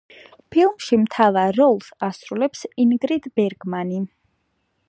ფილმში მთავარ როლს ასრულებს ინგრიდ ბერგმანი.